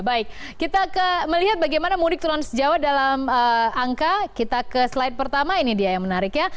baik kita melihat bagaimana mudik transjawa dalam angka kita ke slide pertama ini dia yang menarik ya